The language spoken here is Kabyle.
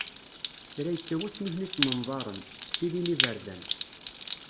Kra yekka wass nutni ttnemḍaren, ttektilin iberdan.